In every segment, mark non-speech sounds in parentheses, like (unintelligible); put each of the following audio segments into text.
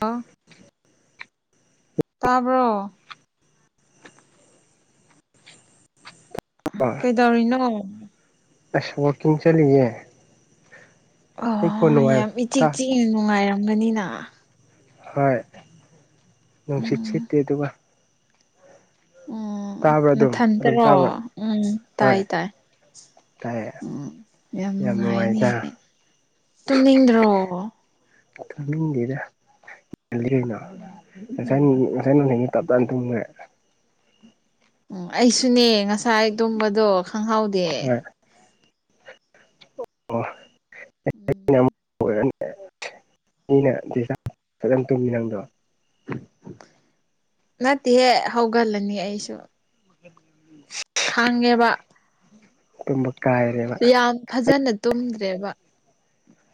ꯑ ꯇꯥꯕ꯭ꯔꯣ ꯀꯩꯗꯧꯔꯤꯅꯣ ꯑꯁ ꯋꯥꯀꯤꯡꯡ ꯆꯂꯤꯦ ꯑꯣ ꯌꯥꯝ ꯏꯆꯤ ꯆꯤ ꯅꯨꯡꯉꯥꯏꯔꯝꯒꯅꯤꯅ ꯍꯣꯏ ꯅꯨꯡ ꯁꯤꯠ ꯎꯝ ꯁꯤꯠꯇꯗꯧꯕ ꯎꯝ ꯑꯗꯨꯝ ꯑꯗꯨꯝ ꯅꯊꯟꯇꯔꯣ ꯇꯥꯕ꯭ꯔꯥ ꯎꯝ ꯍꯣꯏ ꯇꯥꯏ ꯇꯥꯏ ꯇꯥꯏꯌꯦ ꯎꯝ ꯌꯥꯝ ꯅꯨꯡꯉꯥꯏꯅꯦ ꯇꯨꯝꯅꯤꯡꯗ꯭ꯔꯣ ꯇꯅꯤꯡꯗꯦꯗꯜꯂꯤꯩꯅ ꯉꯁꯥꯏ ꯉꯁꯥꯏ ꯅ ꯇꯞ ꯇꯅ ꯇꯃꯦ ꯎ ꯑꯩꯁꯨꯅꯦ ꯉꯁꯥꯏ ꯇꯨꯝꯕꯗꯣ ꯈꯪꯍꯥꯎꯗꯦ ꯍꯣꯏ ꯑꯣ ꯎꯝ ꯑꯣꯏꯔꯅꯦ ꯑꯩꯅ ꯗꯤꯖ ꯐꯝ ꯇꯨꯝꯃꯤ ꯅꯪꯗꯣ ꯅꯠꯇꯦꯍꯦ ꯍꯧꯒꯜꯂꯅꯤ ꯑꯩꯁꯨ ꯎꯝ ꯈꯥꯡꯉꯦꯕ ꯇꯨꯝꯕ ꯀꯥꯏꯔꯦꯕ ꯌꯥꯝ ꯐꯖꯅ ꯇꯨꯝꯗ꯭ꯔꯦꯕ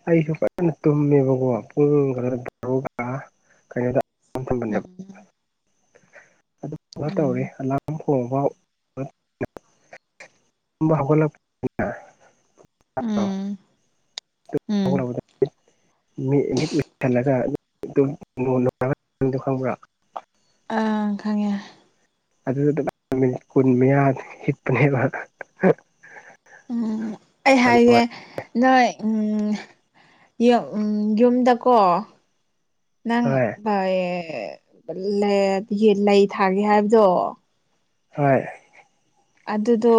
ꯑꯩꯁꯨ ꯐꯖꯅ ꯇꯨꯝꯃꯦꯕꯀꯣ ꯄꯨꯡ ꯈ ꯀꯩꯅꯣ ꯎꯝ ꯑꯗꯨ ꯇꯧꯔꯤ ꯎꯝ ꯑꯂꯥꯔꯝ ꯍꯣꯡꯕꯥꯎ ꯒꯣꯂ ꯑ ꯎꯝ ꯎꯝ ꯃꯤꯠ ꯂꯁꯜꯂꯒ ꯈꯪꯕ꯭ꯔꯥ ꯑꯪ ꯈꯪꯉꯦ ꯑꯗꯨꯗꯨꯗ ꯃꯤꯅꯤꯠ ꯀꯨꯟ ꯃꯌꯥ ꯍꯤꯠꯄꯅꯦꯕ ꯎꯝ ꯑꯩ ꯍꯥꯏꯦ ꯅꯣꯏ ꯎꯝ ꯎꯝ ꯌꯨꯝꯗꯀꯣ ꯅꯪ ꯍꯣꯏ ꯑꯦ ꯂꯩ ꯊꯥꯒꯦ ꯍꯥꯏꯕꯗꯣ ꯍꯣꯏ ꯑꯗꯨꯗꯣ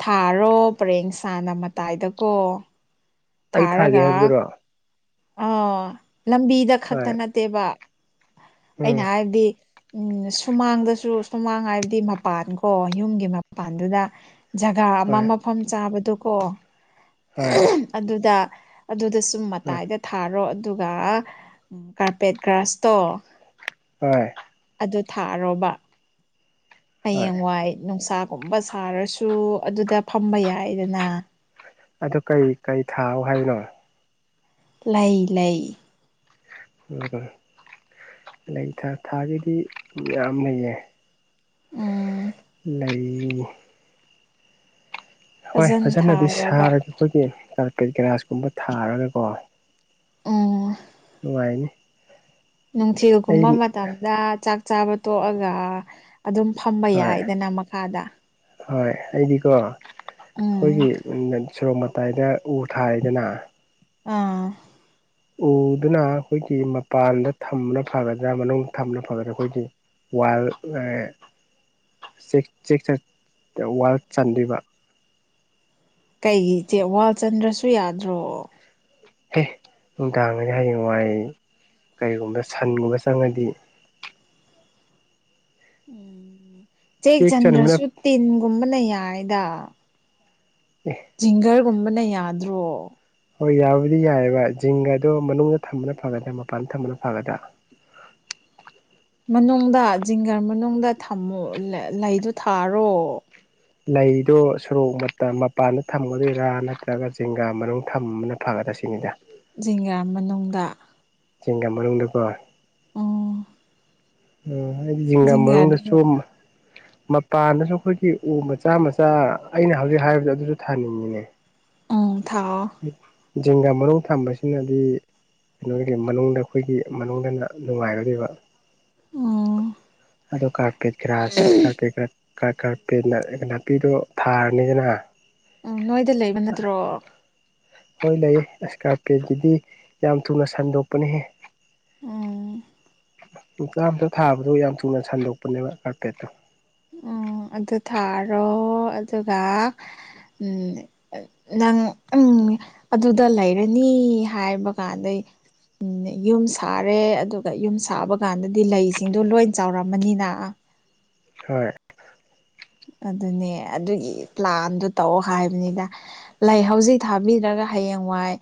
ꯊꯥꯔꯣ ꯄꯔꯦꯡꯁꯥꯅ ꯃꯇꯥꯏꯗꯀꯣ ꯑꯩ ꯊꯥꯒꯦ ꯍꯥꯏꯕꯗꯨꯔꯣ ꯑꯣ ꯂꯝꯕꯤꯗ ꯈꯛꯇ ꯍꯣꯏ ꯅꯠꯇꯦꯕ ꯑꯩꯅ ꯎꯝ ꯍꯥꯏꯔꯗꯤ ꯎꯝ ꯁꯨꯃꯥꯡꯗꯁꯨ ꯁꯨꯃꯥꯡ ꯍꯥꯏꯕꯗꯤ ꯃꯄꯥꯟ ꯀꯣ ꯌꯨꯝꯒꯤ ꯃꯄꯥꯟꯗꯨꯗ ꯖꯒꯥ ꯑꯃ ꯍꯣꯏ ꯃꯐꯝ ꯆꯥꯕꯗꯨꯀꯣ ꯍꯣꯏ ꯑꯗꯨꯗ ꯑꯗꯨꯗ ꯁꯨꯝ ꯎꯝ ꯃꯇꯥꯏꯗ ꯊꯥꯔꯣ ꯑꯗꯨꯒ ꯀꯥꯔꯄꯦꯠ ꯒ꯭ꯔꯥꯁꯇꯣ ꯑꯣꯏ ꯑꯗꯨ ꯊꯥꯔꯣꯕ ꯍꯣꯏ ꯍꯌꯦꯡꯋꯥꯏ ꯅꯨꯡꯁꯥꯒꯨꯝꯕ ꯁꯥꯔꯁꯨ ꯑꯗꯨꯗ ꯐꯝꯕ ꯌꯥꯏꯗꯅ ꯑꯗꯨ ꯀꯩ ꯀꯔꯤ ꯊꯥꯎ ꯍꯥꯏꯅꯣ ꯂꯩ ꯂꯩ ꯑꯗꯨꯒ ꯂꯩ ꯊꯥꯒꯤꯗꯤ ꯌꯥꯝ ꯂꯩꯌꯦ ꯎꯝ ꯂꯩ ꯍꯣꯏ ꯐꯖꯅ ꯐꯖꯅꯗꯤ ꯊꯥꯔꯣꯕ ꯁꯥꯔꯒ ꯑꯩꯈꯣꯏꯒꯤ ꯀꯥꯔꯄꯦꯠ ꯒꯂꯥꯁꯀꯨꯝꯕ ꯊꯥꯔꯒꯀꯣ ꯑꯣ ꯏꯅꯤ ꯅꯨꯡꯊꯤꯜꯒꯨꯝꯕ ꯃꯇꯝꯗ ꯆꯥꯛ ꯆꯥꯕ ꯇꯣꯛꯑꯒ ꯑꯗꯨꯝ ꯐꯝꯕ ꯍꯣꯏ ꯌꯥꯏꯗꯅ ꯃꯈꯥꯗ ꯍꯣꯏ ꯑꯩꯗꯤꯀꯣ ꯎꯝ ꯑꯩꯈꯣꯏꯒꯤ ꯁꯣꯔꯣꯛ ꯃꯇꯥꯏꯗ ꯎ ꯊꯥꯔꯗꯅ ꯑꯥ ꯎꯗꯨꯅ ꯑꯩꯈꯣꯏꯒꯤ ꯃꯄꯥꯟꯗ ꯊꯝꯕꯅ ꯐꯒꯗ꯭ꯔꯥ ꯃꯅꯨꯡꯗ ꯊꯝꯕꯅ ꯐꯒꯗ꯭ꯔꯥ ꯑꯩꯈꯣꯏꯒꯤ ꯋꯥꯜ ꯑꯦ ꯁꯤꯁ ꯁꯤꯛꯁ ꯋꯥꯔꯜ ꯆꯟꯕꯤꯕ ꯀꯩꯒꯤꯆꯦ ꯋꯥꯜꯆꯟꯗ꯭ꯔꯁꯨ ꯌꯥꯗ꯭ꯔꯣ ꯍ ꯎꯅꯨꯡꯗꯥꯥꯡꯅꯤ ꯍꯥꯏꯌꯦꯡ ꯋꯥꯥꯏ ꯀꯔꯤꯒꯨꯝꯕ ꯁꯟꯒꯨꯝꯕ ꯆꯪꯉꯗꯤ ꯎꯝ ꯆꯦꯛ ꯆꯟꯕꯅ ꯆꯦꯛꯆꯟꯗ꯭ꯔꯁꯨ ꯇꯤꯟꯒꯨꯝꯕꯅ ꯌꯥꯏꯗ ꯑꯦ ꯖꯤꯡꯒꯔꯒꯨꯝꯕꯅ ꯌꯥꯗ꯭ꯔꯣ ꯍꯣꯏ ꯌꯥꯕꯨꯗꯤ ꯌꯥꯏꯑꯕ ꯖꯤꯡꯒꯗꯣ ꯃꯅꯨꯡꯗ ꯊꯝꯕꯅ ꯐꯒꯗ꯭ꯔꯥ ꯃꯄꯥꯟꯗ ꯊꯝꯕꯅ ꯐꯒꯗ꯭ꯔꯥ (unintelligible) ꯃꯅꯨꯡꯗ ꯖꯤꯡꯒꯔ ꯃꯅꯨꯡꯗ ꯊꯝꯃꯨ ꯂꯩꯗꯨ ꯊꯥꯔꯣ ꯂꯩꯗꯣ ꯁꯣꯔꯣꯛ ꯃꯄꯥꯟꯗ ꯊꯝꯒꯗꯣꯏꯔꯥ ꯅꯠꯇ꯭ꯔꯒ ꯆꯤꯡꯒꯥ ꯃꯔ ꯊꯅ ꯐꯒꯗ꯭ꯔꯥ ꯇꯁꯤꯅꯤꯗ ꯖꯤꯡꯒ꯭ꯔ ꯃꯅꯨꯡꯗ ꯆꯦꯡꯒ ꯃꯅꯨꯡꯗꯀꯣ ꯎꯝ ꯎ ꯍꯥꯏꯗꯤ ꯖꯤꯡꯒꯥꯝ ꯖꯤꯡꯒꯔꯗꯨ ꯃꯅꯨꯡꯗꯁꯨ ꯃꯄꯥꯟꯗꯁꯨ ꯑꯩꯈꯣꯏꯒꯤ ꯎ ꯃꯆꯥ ꯃꯆꯥ ꯑꯩꯅ ꯍꯧꯖꯤꯛ ꯍꯥꯏꯔꯤꯕꯗ ꯑꯗꯨꯁꯨ ꯊꯥꯅꯤꯡꯉꯤꯅꯦ ꯎꯝ ꯊꯥꯎꯑꯣ ꯖꯦꯡꯒꯥ ꯃꯅꯨꯡ ꯊꯝꯕꯁꯤꯅꯗꯤ ꯀꯩꯅꯣꯒꯤ ꯃꯅꯨꯡꯗ ꯑꯩꯈꯣꯏꯒꯤ ꯃꯅꯨꯡꯗꯅ ꯅꯨꯡꯉꯥꯏꯔꯔꯤꯕ ꯑꯣ ꯑꯗꯣ ꯀꯥꯔꯄꯦꯠ ꯭ꯔꯥꯁ ꯀꯥꯔꯄꯦꯠ꯭ꯔꯥꯁ ꯀꯔꯄꯠ ꯅꯥꯄꯤꯗꯣ ꯊꯥꯔꯅꯤꯗꯅ ꯎꯝ ꯅꯣꯏꯗ ꯂꯩꯕ ꯅꯠꯇ꯭ꯔꯣ ꯍꯣꯏ ꯂꯩ ꯏꯁꯀꯥꯔꯄꯤꯌꯒꯤꯗꯤ ꯌꯥꯝ ꯊꯨꯅ ꯁꯟꯗꯣꯛꯄꯅꯤꯍꯦ ꯎꯝ ꯅꯨꯆꯥ ꯑꯃꯝꯇ ꯊꯥꯕꯗꯣ ꯌꯥꯝ ꯊꯨꯅ ꯁꯟꯗꯣꯛꯄꯅꯦꯕ ꯀꯥꯔꯄꯦꯠꯇꯣ ꯎꯝ ꯑꯗꯨ ꯊꯥꯔꯣ ꯑꯗꯨꯒ ꯎꯝ ꯅꯪ ꯎꯝ ꯑꯗꯨꯗ ꯂꯩꯔꯅꯤ ꯍꯥꯏꯕ ꯀꯥꯟꯗꯩ ꯎꯝ ꯌꯨꯝ ꯁꯥꯔꯦ ꯑꯗꯨꯒ ꯌꯨꯝ ꯁꯥꯕ ꯀꯥꯟꯗꯗꯤ ꯂꯩꯁꯤꯡꯗꯣ ꯂꯣꯏ ꯆꯥꯎꯔꯝꯃꯅꯤꯅ ꯍꯣꯏ ꯑꯗꯨꯅꯦ ꯑꯗꯨꯒꯤ ꯄ꯭ꯂꯥꯟꯗꯨ ꯇꯧꯑꯣ ꯍꯥꯏꯕꯅꯤꯗ ꯂꯩ ꯍꯧꯖꯤꯛ ꯊꯥꯕꯤꯔꯒ ꯍꯌꯦꯡ ꯋꯥꯏ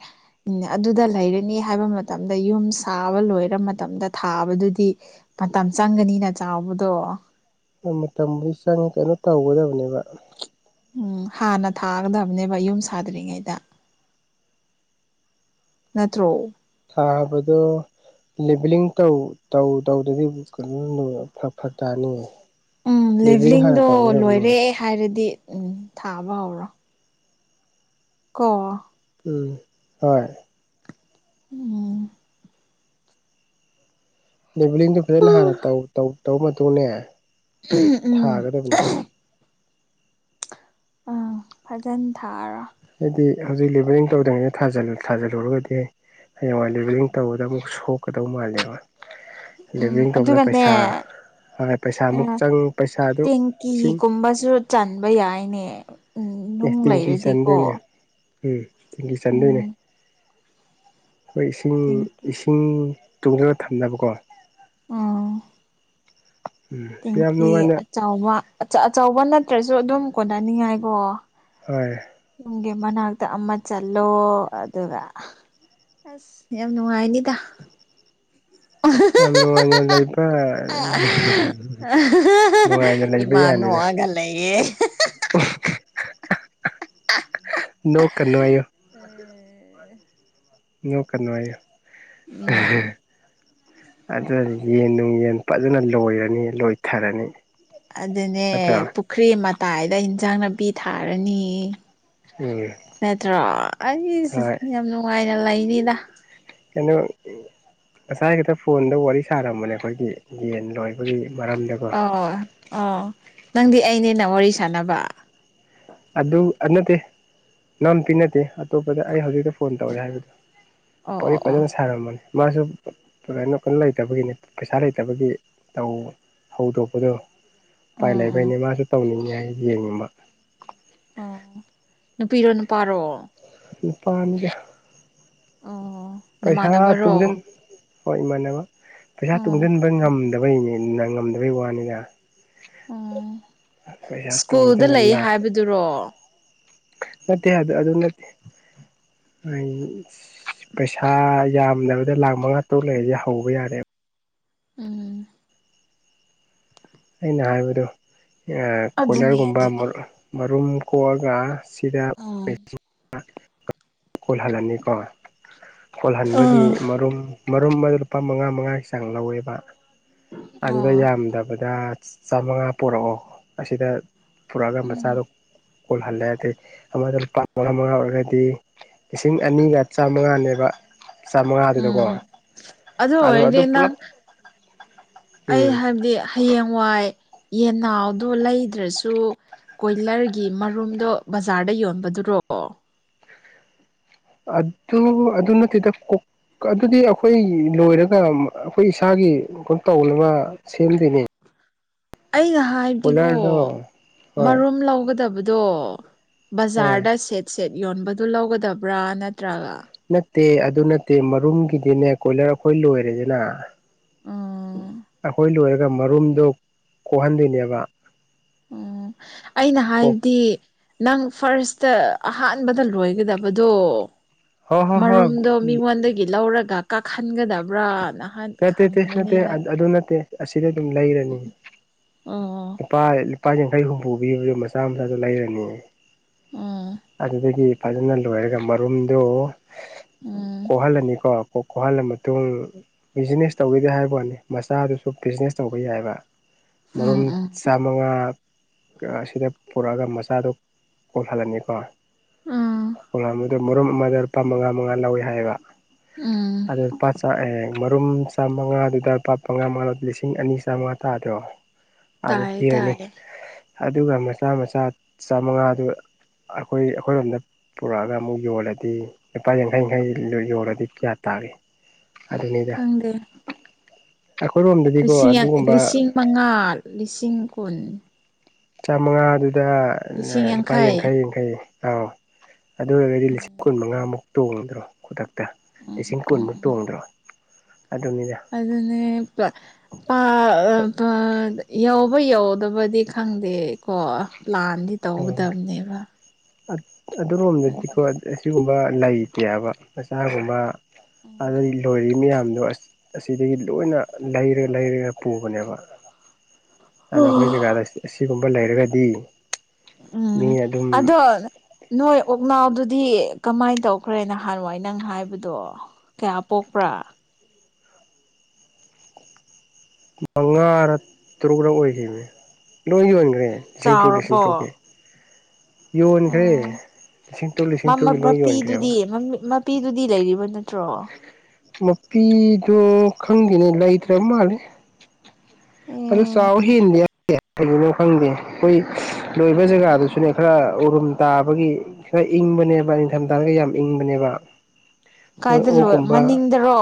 ꯑꯗꯨꯗ ꯂꯩꯔꯅꯤ ꯍꯥꯏꯕ ꯃꯇꯝꯗ ꯌꯨꯝ ꯁꯥꯕ ꯂꯣꯏꯔ ꯃꯇꯝꯗ ꯊꯥꯕꯗꯨꯗꯤ ꯃꯇꯝ ꯆꯪꯒꯅꯤꯅ ꯆꯥꯎꯕꯗꯣ ꯃꯇꯝ ꯆꯪꯉꯦ ꯀꯩꯅꯣ ꯇꯧꯒꯗꯕꯅꯦꯕ ꯎꯝ ꯍꯥꯟꯅ ꯊꯥꯒꯗꯕꯅꯦꯕ ꯌꯨꯝ ꯁꯥꯗ꯭ꯔꯤꯉꯩꯗ ꯅꯠꯇ꯭ꯔꯣ ꯊꯥꯕꯗꯣ ꯂꯦꯕꯂꯤꯡꯧ ꯇꯧ ꯇꯧꯗꯗꯤ ꯐ ꯇꯥꯅꯤꯌꯦ ꯎꯝ ꯂꯦꯕꯂꯤꯡ ꯍꯥꯟꯅ ꯂꯤꯚꯂꯤꯡꯗꯣ ꯇꯧꯒꯗꯕꯅꯦ ꯂꯣꯏꯔꯦ ꯍꯥꯏꯔꯗꯤ ꯎꯝ ꯊꯥꯕ ꯍꯧꯔꯣ ꯀꯣ ꯎꯝ ꯍꯣꯏ ꯎꯝ ꯗꯦꯕꯂꯤꯡꯗꯨ ꯐꯖꯅ ꯍꯥꯟꯅ ꯇꯧꯔꯕ ꯃꯇꯨꯡꯅꯦ ꯎꯝ ꯊꯥꯒꯗꯕꯅꯦ ꯑꯥ ꯐꯖꯅ ꯊꯥꯔꯣ ꯑꯩꯗꯤ ꯍꯧꯖꯤꯛ ꯂꯦꯕꯂꯤꯡ ꯇꯧꯗ꯭ꯔꯤꯉꯩꯅ ꯊꯥꯖꯤꯜꯂꯨꯔꯒꯗꯤ ꯍꯌꯦꯡꯋꯥꯏ ꯂꯦꯕꯂꯤꯡ ꯇꯧꯒꯗꯕ ꯁꯣꯛꯀꯗꯧ ꯃꯥꯜꯂꯦꯕ ꯎꯝ ꯂꯤꯚꯡ ꯇꯧꯕꯗ ꯑꯗꯨꯒꯅꯦ ꯄꯩꯁꯥ ꯍꯣꯏ ꯄꯩꯁꯥꯃꯨꯛ ꯑꯥ ꯆꯪ ꯄꯩꯁꯥꯗꯨ ꯂꯤꯁꯤꯡ ꯇꯦꯡꯀꯤꯒꯨꯝꯕꯁꯨ ꯆꯟꯕ ꯌꯥꯏꯅꯦ ꯎꯝ ꯑꯦ ꯅꯨꯡ ꯇꯦꯡꯀꯤ ꯆꯥꯟꯗꯣꯏꯅꯦ ꯂꯩꯔꯗꯤꯀꯣ ꯎꯝ ꯇꯦꯡꯀꯤ ꯆꯥꯟꯗꯣꯏꯅꯦ ꯎꯝ ꯑꯩꯈꯣꯏ ꯏꯁꯤꯡ ꯇꯦꯡꯀꯤ ꯏꯁꯤꯡ ꯇꯨꯡꯁꯤꯒ ꯊꯝꯅꯕꯀꯣ ꯎꯝ ꯎꯝ ꯁꯤ ꯌꯥꯝ ꯇꯦꯡꯀꯤ ꯅꯨꯡꯉꯥꯏꯅ ꯑꯆꯕ ꯑꯆꯧꯕ ꯅꯠꯇ꯭ꯔꯁꯨ ꯑꯗꯨꯝ ꯀꯣꯟꯅꯅꯤꯡꯉꯥꯏꯀꯣ ꯍꯣꯏ ꯒꯤ ꯃꯅꯥꯛꯇ ꯑꯃ ꯆꯠꯂꯣ ꯑꯗꯨꯒ ꯑꯁ ꯌꯥꯝ ꯅꯨꯡꯉꯥꯏꯅꯤꯗ ꯌꯥꯝ ꯃꯅ ꯂ ꯏꯄꯥ ꯏꯃꯥꯅꯣꯑꯒ ꯂꯩꯌꯦꯦ ꯅꯣ ꯀꯅꯉꯣ ꯌ ꯀꯥꯟꯅꯨꯡꯥꯏ ꯎꯝ ꯑꯗꯨ ꯌꯦꯟ ꯅꯨꯡ ꯌꯦꯟ ꯐꯖꯅ ꯂꯣꯏꯔꯅꯤ ꯂꯣꯏꯊꯔꯅꯤ ꯑꯗꯨꯅꯦ ꯅꯠꯇ꯭ꯔꯣ ꯄꯨꯈ꯭ꯔꯤ ꯃꯇꯥꯏꯗ ꯏꯟꯖꯥꯡ ꯅꯥꯄꯤ ꯊꯥꯔꯅꯤ ꯎꯝ ꯅꯠꯇ꯭ꯔꯣ ꯑꯩꯁ ꯍꯣꯏ ꯌꯥꯝ ꯅꯨꯡꯉꯥꯏꯅ ꯂꯩꯅꯤꯗ ꯀꯩꯅꯣ ꯉꯁꯥꯏ ꯛꯇ ꯐꯣꯟꯗ ꯋꯥꯔꯤ ꯁꯥꯔꯝꯕꯅꯦ ꯑꯩꯈꯣꯏꯒꯤ ꯌꯦꯟ ꯂꯣꯏꯔ ꯑꯣ ꯑꯣ ꯅꯪꯗꯤ ꯑꯩꯅꯦꯅ ꯋꯥꯔꯤ ꯁꯥꯟꯅꯕ ꯑꯗꯨ ꯑꯗꯨ ꯅꯠꯇꯦ ꯅꯝ ꯄꯤ ꯅꯠꯇꯦ ꯑꯇꯣꯞꯄꯗ ꯑꯩ ꯍꯧꯖꯤꯛꯇ ꯐꯣꯟ ꯇꯧꯔꯦ ꯍꯥꯏꯕꯗꯣ ꯑꯣ ꯋꯥꯔꯤ ꯑꯣ ꯑꯣ ꯐꯖꯅ ꯁꯥꯔꯝꯃꯅꯤ ꯃꯥꯁꯨ ꯀꯅꯣ ꯀꯩꯅꯣ ꯂꯩꯇꯕꯒꯤꯅꯤ ꯄꯩꯁꯥ ꯂꯩꯇꯕꯒꯤ ꯇꯧ ꯍꯧꯗꯣꯛꯄꯗꯣ ꯎꯄꯥꯏ ꯎꯝ ꯎꯝ ꯂꯩꯕꯩꯅꯤ ꯃꯥꯁꯨ ꯇꯧꯅꯤꯡꯉꯤ ꯍꯥꯏ ꯌꯦꯡꯅꯤꯡꯕ ꯑꯣ ꯅꯨꯄꯤꯔꯣ ꯅꯨꯄꯥꯔꯣ ꯅꯤꯄꯥꯥꯟꯒ ꯑꯣ ꯄꯩꯁꯥ ꯇꯨꯡꯗꯦꯟ ꯅꯃꯥꯟꯅꯕꯔꯣ ꯍꯣꯏ ꯏꯃꯥꯟꯅꯕ ꯄꯩꯁꯥ ꯑꯣ ꯇꯨꯡꯁꯤꯟꯕ ꯉꯝꯗꯕꯩꯅꯦꯅ ꯉꯝꯗꯕꯩ ꯋꯥꯅꯤꯗ ꯄꯩꯁꯥ ꯎ ꯁ꯭ꯀꯨꯜꯗ ꯇꯨꯡꯁꯤꯜꯂ ꯂꯩ ꯂꯥꯛ ꯍꯥꯏꯕꯗꯨꯔꯣ ꯅꯠꯇꯦ ꯑꯗꯨ ꯅꯠꯇꯦ ꯄꯩꯁꯥ ꯌꯥꯝꯗꯕꯗ ꯂꯥꯛ ꯃꯉꯥ ꯇꯔꯨꯛ ꯂꯩꯔꯁꯦ ꯍꯧꯕ ꯌꯥꯔꯦꯕ ꯎꯝ ꯑꯩꯅ ꯍꯥꯏꯕꯗ ꯑꯗꯨꯅꯤ ꯀꯣꯏꯂꯔꯒꯨꯝꯕ ꯑꯗꯨꯅꯤ ꯃꯔꯨꯝ ꯀꯣꯛꯑꯒ ꯁꯤꯗ ꯎꯝ ꯀꯣꯜꯍꯜꯂꯅꯤꯀꯣ ꯀꯣꯜꯍꯟꯕꯒꯤ ꯎꯝ ꯃꯔꯨꯝ ꯃꯔꯨꯝ ꯑꯃ ꯂꯨꯄꯥ ꯃꯉꯥ ꯃꯉꯥꯒꯤ ꯆꯥꯡ ꯂꯧꯋꯦꯕ ꯑꯗꯨꯗ ꯑꯣ ꯌꯥꯝꯗꯕꯗ ꯆꯥꯃꯉꯥ ꯄꯨꯔꯛꯑꯣ ꯑꯁꯤꯗ ꯄꯨꯔꯛꯑꯒ ꯃꯆꯥꯗ ꯎꯝ ꯀꯣꯜꯍꯜꯂꯦꯗꯩ ꯑꯃꯗ ꯂꯨꯄꯥ ꯃꯉꯥ ꯃꯉꯥ ꯑꯣꯏꯔꯒꯗꯤ ꯂꯤꯁꯤꯡ ꯑꯅꯤꯒ ꯆꯥꯝꯃꯉꯥꯅꯦꯕ ꯎꯝ ꯑꯗꯨ ꯑꯗꯣ ꯑꯣꯏꯔꯗꯤ ꯄꯨꯂꯞ ꯅꯪ ꯑꯩ ꯎꯝ ꯍꯥꯏꯕꯗꯤ ꯍꯌꯦꯡꯋꯥꯏ ꯌꯦꯟꯅꯥꯎꯗꯣ ꯂꯩꯗ꯭ꯔꯁꯨ ꯀꯣꯏꯂꯔꯒꯤ ꯃꯔꯨꯝꯗꯣ ꯕꯖꯥꯔꯗ ꯌꯣꯟꯕꯗꯨꯔꯣ ꯑꯗꯨ ꯑꯗꯨ ꯅꯠꯇꯦꯗ ꯀꯣꯛ ꯑꯗꯨꯗꯤ ꯑꯩꯈꯣꯏ ꯂꯣꯏꯔꯒ ꯑꯩꯈꯣꯏ ꯏꯁꯥꯒꯤ ꯇꯧ ꯑꯃ ꯁꯦꯝꯗꯣꯏꯅꯦ ꯑꯩꯅ ꯍꯥꯏꯕꯗꯤꯀꯣ ꯀꯣꯏꯂꯔꯗꯣ ꯍꯣꯏ ꯃꯔꯨꯝ ꯂꯧꯒꯗꯕꯗꯣ ꯍꯣꯏ ꯕꯖꯥꯔꯗ ꯁꯦꯠ ꯁꯦꯠ ꯌꯣꯟꯕꯗꯨ ꯂꯧꯒꯗꯕ꯭ꯔꯥ ꯅꯠꯇ꯭ꯔꯒ ꯅꯠꯇꯦ ꯑꯗꯨ ꯅꯠꯇꯦ ꯃꯔꯨꯝꯒꯤꯗꯤꯅꯦ ꯀꯣꯏꯂꯔ ꯑꯩꯈꯣꯏ ꯂꯣꯏꯔꯦꯗꯅ ꯎꯥ ꯑꯩꯈꯣꯏ ꯂꯣꯏꯔꯒ ꯃꯔꯨꯝꯗꯣ ꯀꯣꯛꯍꯟꯗꯣꯏꯅꯦꯕ ꯑꯣ ꯑꯩꯅ ꯀꯣꯛ ꯍꯥꯏꯕꯗꯤ ꯅꯪ ꯐꯥꯔꯁꯇ ꯑꯍꯥꯟꯕꯗ ꯂꯣꯏꯒꯗꯕꯗꯣ ꯍꯣꯏ ꯍꯣꯏ ꯍꯣꯏ ꯃꯔꯨꯝꯗꯣ ꯃꯤꯉꯣꯟꯗꯒꯤ ꯂꯧꯔꯒ ꯀꯥꯍꯟꯒꯗꯕ꯭ꯔꯥꯅ ꯅꯠꯇꯦ ꯅꯠꯇꯦ ꯑꯗꯨ ꯅꯠꯇꯦ ꯁꯤꯗꯤ ꯑꯗꯨꯝ ꯂꯩꯔꯅꯤ ꯑꯣ ꯂꯄꯥ ꯂꯨꯄꯥ ꯌꯥꯡꯈꯩ ꯍꯨꯝꯐꯨ ꯄꯤꯕꯗ ꯃꯆꯥ ꯃꯆꯥꯁꯨ ꯂꯩꯔꯅꯤ ꯎꯝ ꯑꯗꯨꯗꯒꯤ ꯐꯖꯅ ꯂꯣꯏꯔꯒ ꯃꯔꯨꯝꯗꯨꯣ ꯎꯝ ꯀꯣꯛꯍꯜꯂꯅꯤꯀꯣ ꯀꯣꯛꯍꯜꯂ ꯃꯇꯨꯡ ꯕꯤꯖꯤꯅꯦꯁ ꯇꯧꯒꯗꯦ ꯍꯥꯏꯕ ꯋꯥꯠꯅꯤ ꯃꯆꯥꯗꯨꯁꯨ ꯕꯤꯖꯤꯅꯦꯁ ꯇꯧꯕ ꯌꯥꯏꯕ ꯎꯝ ꯃꯔꯨꯝ ꯎꯝ ꯆꯥꯃꯉꯥ ꯑꯁꯤꯗ ꯄꯨꯔꯛꯑꯒ ꯃꯆꯥꯗꯨ ꯀꯣꯜꯍꯜꯂꯅꯤꯀꯣ ꯎꯝ ꯀꯣꯝꯗꯨꯗ ꯃꯔꯨꯝ ꯑꯃꯗ ꯂꯨꯄꯥ ꯃꯉꯥ ꯃꯉꯥ ꯂꯧꯏꯤ ꯍꯥꯏꯌꯦꯕ ꯎꯝ ꯑꯗꯨꯗ ꯄꯥꯁꯥ ꯑꯦ ꯃꯔꯨꯝ ꯆꯥꯝꯃꯉꯥꯗꯨꯗ ꯄ ꯃꯉꯥ ꯃꯉꯥ ꯂꯤꯁꯤꯡ ꯑꯅꯤ ꯆꯥꯃꯉꯥ ꯇꯥꯗ꯭ꯔꯣ ꯑꯗꯨ ꯇꯌꯦ ꯄꯤꯔꯅꯤ ꯇꯌꯦ ꯑꯗꯨꯒ ꯃꯆꯥ ꯃꯆꯥ ꯆꯃꯉꯥꯗꯨ ꯑꯩꯈꯣꯏ ꯑꯩꯈꯣꯏꯔꯣꯝꯗ ꯄꯨꯔꯛꯑꯒ ꯑꯃꯨꯛ ꯌꯣꯜꯂꯗꯤ ꯂꯨꯄꯥ ꯌꯥꯡꯈꯩ ꯌꯥꯡꯈꯩ ꯌꯣꯜꯂꯗꯤ ꯀꯌꯥ ꯇꯥꯒꯦ (inaudible) ꯑꯗꯨꯅꯤꯗ ꯈꯪꯗꯦ ꯑꯩꯈꯣꯏꯔꯣꯝꯗꯗꯤꯀꯣ ꯂꯤꯁꯤꯡ ꯑꯗꯨꯒꯨꯝꯕ ꯂꯤꯁꯤꯡ ꯃꯉꯥ ꯂꯤꯁꯤꯡ ꯀꯨꯟ ꯆꯥꯃꯉꯥꯗꯨꯗ ꯂꯨꯄꯥ ꯌꯥꯡꯈꯩ ꯌꯥꯡꯈꯩ ꯑꯥꯎ ꯑꯗꯨ ꯑꯣꯏꯔꯒꯗꯤ ꯂꯤꯁꯤꯡ ꯀꯨꯟ ꯃꯉꯥꯃꯨꯛ ꯇꯣꯡꯗ꯭ꯔꯣ ꯈꯨꯗꯛꯇ ꯎꯝ ꯂꯤꯁꯤꯡ ꯎꯝ ꯀꯨꯟꯃꯨꯛ ꯎꯝ ꯇꯣꯡꯗ꯭ꯔꯣ ꯑꯗꯨꯅꯤꯗ ꯑꯗꯨꯅꯦ ꯌꯧꯕ ꯌꯧꯗꯕꯗꯤ ꯈꯪꯗꯦꯀꯣ ꯄ꯭ꯂꯥꯟꯗꯤ ꯇꯧꯒꯗꯕꯅꯦꯕ ꯑꯗꯨꯔꯣꯝꯗꯗꯤꯀꯣ ꯑꯗꯨꯅꯦ ꯑꯁꯤꯒꯨꯝꯕ ꯂꯩꯇꯦꯕ ꯃꯆꯥꯒꯨꯝꯕ ꯑꯗꯨꯗꯒꯤ ꯂꯣꯏꯔꯤꯕ ꯃꯌꯥꯝꯗꯣ ꯑꯁꯤꯗꯒꯤ ꯂꯣꯏꯅ ꯂꯩꯔꯒ ꯂꯩꯔꯒ ꯄꯨꯕꯅꯦꯕ ꯑꯅ ꯑꯩꯈꯣꯏ ꯖꯒꯥꯗ ꯑꯁꯤꯒꯨꯝꯕ ꯂꯩꯔꯒꯗꯤ ꯎꯝ ꯃꯤ ꯑꯗꯨꯝ ꯑꯗꯣ ꯅꯣꯏ ꯄꯨꯣꯛꯅꯥꯎꯗꯨꯗꯤ ꯀꯃꯥꯏꯅ ꯇꯧꯈ꯭ꯔꯦꯅ ꯍꯥꯟꯋꯥꯏ ꯅꯪ ꯍꯥꯏꯕꯗꯣ ꯀꯌꯥ ꯄꯣꯛꯄ꯭ꯔꯥ ꯃꯉꯥ ꯇꯔꯨꯛꯂꯛ ꯑꯣꯏꯈꯤꯕꯅꯦ ꯂꯣꯏ ꯌꯣꯟꯈ꯭ꯔꯦ ꯁꯤꯡꯊꯧꯧ ꯂꯤꯁꯤꯡ ꯆꯥꯎꯔꯕꯣ ꯇ꯭ꯔꯧꯒꯦ ꯇꯔꯨꯛ ꯂꯤꯁꯤꯡ ꯑꯣ ꯇꯔꯨꯛꯀꯤ ꯂꯣꯏ ꯌꯣꯟꯈ꯭ꯔꯦꯕ ꯃꯄꯤꯗꯨꯗꯤ ꯃꯄꯤꯗꯨꯗꯤ ꯂꯩꯔꯤꯕ ꯅꯠꯇꯦ ꯅꯇ꯭ꯔꯣ ꯃꯨꯄꯤꯗꯣ ꯈꯪꯗꯦꯅꯦ ꯂꯩꯇ꯭ꯔꯕ ꯃꯥꯜꯂꯦ ꯑꯗꯨ ꯑꯦ ꯆꯥꯎ ꯍꯦꯟꯗꯤꯦ ꯀꯩꯒꯤꯅꯣ ꯈꯪꯗꯦ ꯑꯩꯈꯣꯏ ꯂꯣꯏꯕ ꯖꯒꯥꯗꯨꯁꯨꯅꯦ ꯈꯔ ꯎꯔꯨꯝ ꯇꯥꯕꯒꯤ ꯈꯔ ꯏꯪꯕꯅꯦꯕ ꯅꯤꯡꯊꯝꯊꯥꯔꯒ ꯌꯥꯝ ꯏꯪꯕꯅꯦꯕ ꯃꯣꯏ ꯀꯥꯏꯗ ꯂꯣꯏ ꯑꯣꯛꯀꯨꯝꯕ ꯃꯅꯤꯡꯗꯔꯣ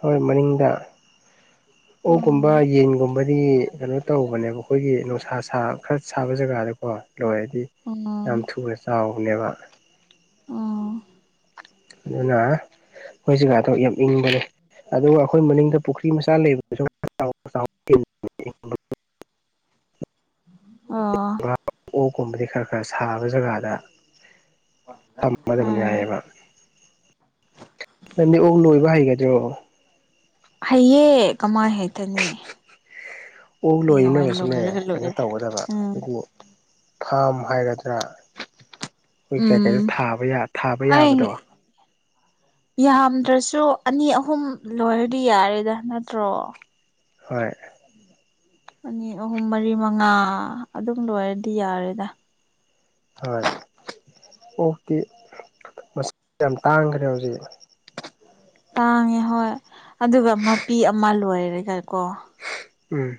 ꯍꯣꯏ ꯃꯅꯤꯡꯗ ꯑꯣꯛꯒꯨꯝꯕ ꯎꯝ ꯌꯦꯟꯒꯨꯝꯕꯗꯤ ꯀꯩꯅꯣ ꯇꯧꯕꯅꯦꯕ ꯑꯩꯈꯣꯏꯒꯤ ꯅꯨꯡꯁꯥ ꯁꯥ ꯈꯔ ꯁꯥꯕ ꯖꯒꯥꯗꯀꯣ ꯂꯣꯏꯔꯗꯤ ꯎꯝ ꯌꯥꯝ ꯊꯨꯅ ꯆꯥꯎꯕꯅꯦꯕ ꯑ ꯑꯅꯥ ꯃꯣꯏ ꯒꯥꯗ ꯌꯥꯝ ꯏꯪꯕꯅꯦ ꯑꯗꯨꯒ ꯑꯩꯈꯣꯏ ꯃꯅꯤꯡꯗ ꯄꯨꯈ꯭ꯔꯤ ꯃꯆꯥ ꯂꯩꯕꯗꯁꯨ (inaudible) (unintelligible) (inaudible) ꯑꯥ ꯀꯨꯝꯕꯗꯤ ꯈꯔ ꯈꯔ ꯁꯥꯕ ꯖꯒꯥꯗ ꯎꯝ ꯁꯝꯕꯗꯨꯃꯅꯌꯥꯑ ꯅꯪꯗꯤ ꯑꯣꯛ ꯂꯣꯏꯕ ꯍꯩꯒꯗ꯭ꯔꯣ ꯍꯌꯦꯦ ꯀꯃꯥꯜ ꯍꯦꯇꯅꯤ ꯑꯣ ꯂꯣꯏꯅꯕꯁꯨꯅꯦ ꯀꯩꯅꯣ ꯂꯣꯏꯔꯦ ꯇꯧꯒꯗꯕ ꯎꯝ ꯑꯗꯨꯕꯨ ꯐꯥꯝ ꯍꯥꯏꯒꯗ꯭ꯔꯥ ꯑꯩꯈꯣꯏ ꯀꯩ ꯀꯩꯅꯣ ꯎꯝ ꯊꯥ ꯊꯥꯕ ꯌꯥꯕꯗꯣ ꯑꯩ ꯌꯥꯝꯗ꯭ꯔꯁꯨ ꯑꯅꯤ ꯑꯍꯨꯝ ꯂꯣꯏꯔꯗꯤ ꯌꯥꯔꯦꯗ ꯅꯠꯇ꯭ꯔꯣ ꯍꯣꯏ ꯑꯅꯤ ꯑꯍꯨꯝ ꯃꯔꯤ ꯃꯉꯥ ꯑꯗꯨꯝ ꯂꯣꯏꯔꯗꯤ ꯌꯥꯔꯦꯗ ꯍꯣꯏ ꯑꯣꯛꯇꯤ ꯃꯁꯤꯡ ꯌꯥꯝ ꯇꯥꯡꯈ꯭ꯔꯦ ꯍꯧꯖꯤꯛ ꯇꯥꯡꯉꯦ ꯍꯣꯏ ꯑꯗꯨꯒ ꯃꯄꯤ ꯑꯃ ꯂꯣꯏꯔꯦꯒ ꯀꯣ ꯎꯝ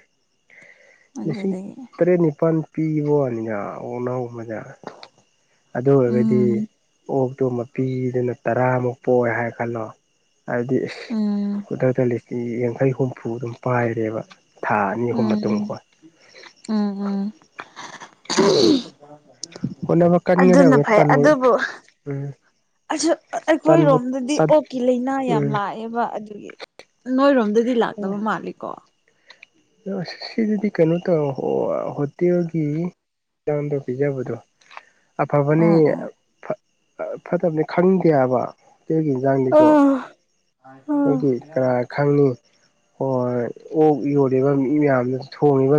ꯂꯤꯁꯤꯡ ꯑꯗꯨꯗꯒꯤ ꯇꯔꯦꯠ ꯅꯤꯄꯥꯜ ꯄꯤꯕ ꯋꯥꯅꯤꯗ ꯑꯣꯛꯅꯥꯎ ꯃꯗ ꯑꯗꯨ ꯑꯣꯏꯔꯒꯗꯤ ꯎꯝ ꯑꯣꯛ ꯑꯇꯣ ꯃ ꯄꯤꯗꯨꯅ ꯇꯔꯥꯃꯨꯛ ꯄꯣꯛ ꯍꯥꯏ ꯈꯜꯂꯣ ꯑꯗꯨꯗꯤ ꯏꯁꯁ ꯎꯝ ꯈꯨꯗꯛꯇ ꯂꯤꯁ ꯌꯥꯡꯈꯩ ꯍꯨꯝꯐꯨ ꯑꯗꯨꯝ ꯄꯥꯏꯔꯦꯕ ꯊꯥ ꯑꯅꯤ ꯑꯍꯨꯝ ꯎꯝ ꯃꯇꯨꯡꯀꯣ ꯎꯝ ꯎꯝ ꯍꯣꯠꯅꯕ ꯑꯗꯨꯅ ꯀꯟꯒꯗꯕꯅꯤ ꯐꯩ ꯇꯟꯕ ꯑꯗꯨꯕꯨ ꯎꯝ ꯑ ꯇꯟꯕꯨ ꯑꯩꯈꯣꯏꯔꯣꯝꯗꯗꯤ ꯇꯟ ꯑꯣꯛꯀꯤ ꯂꯥꯏꯅꯥ ꯌꯥꯝ ꯎꯝ ꯂꯥꯛꯑꯦꯕ ꯑꯗꯨꯒꯤ ꯅꯣꯏꯔꯣꯝꯗ ꯗꯤ ꯂꯥꯛꯇꯕ ꯃꯥꯂꯦ ꯀꯣ ꯑ ꯁꯤꯗꯨꯗꯤ ꯀꯩꯅꯣ ꯇꯧ ꯍꯣꯇꯦꯕꯒꯤ ꯥꯟꯗ ꯀꯤꯖꯕꯨꯗꯨꯣ ꯑꯐꯕꯅꯤ ꯎꯝ ꯐꯠꯇꯕꯅꯤ ꯈꯪꯗꯦꯕ ꯀꯦꯒꯤ ꯌꯦꯟꯖꯥꯡꯅꯤꯀꯣ ꯎꯝ ꯑ ꯑ ꯑꯩꯈꯣꯏꯒꯤ ꯀꯅꯥ ꯈꯪꯉꯤ ꯍꯣꯏꯣꯏ ꯑꯣꯛ ꯌꯣꯜꯂꯤꯕ ꯃꯤ ꯃꯌꯥꯝꯗꯨ ꯊꯣꯡꯉꯤꯕ